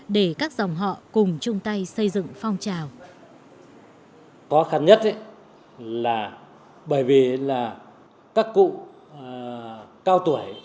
để các dòng họ cùng chung tay xây dựng phong trào